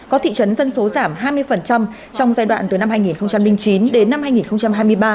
có thị trấn dân số giảm hai mươi trong giai đoạn từ năm hai nghìn chín đến năm hai nghìn hai mươi ba